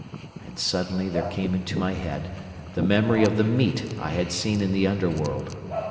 And suddenly there came into my head the memory of the meat I had seen in the Underworld.